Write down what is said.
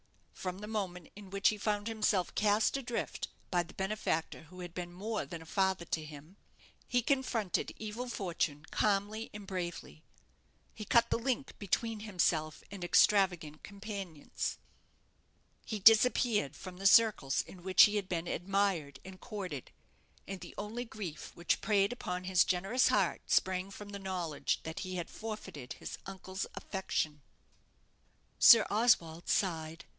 From the moment in which he found himself cast adrift by the benefactor who had been more than a father to him, he confronted evil fortune calmly and bravely. He cut the link between himself and extravagant companions. He disappeared from the circles in which he had been admired and courted; and the only grief which preyed upon his generous heart sprang from the knowledge that he had forfeited his uncle's affection." Sir Oswald sighed.